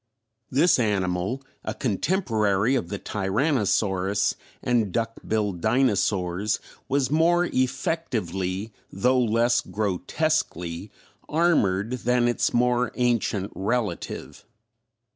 This animal, a contemporary of the Tyrannosaurus and duck billed dinosaurs was more effectively though less grotesquely armored than its more ancient relative.